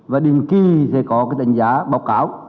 và đến kỳ sẽ có cái đánh giá báo cáo